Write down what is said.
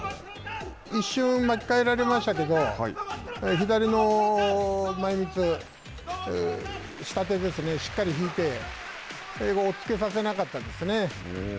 一瞬巻き替えられましたけど左の前褌下手ですねしっかり引いて押っつけさせなかったですね。